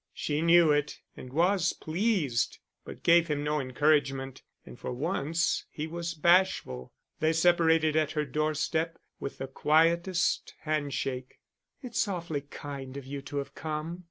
She knew it, and was pleased, but gave him no encouragement, and for once he was bashful. They separated at her doorstep with the quietest handshake. "It's awfully kind of you to have come."